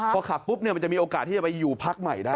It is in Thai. พอขับปุ๊บมันจะมีโอกาสที่จะไปอยู่พักใหม่ได้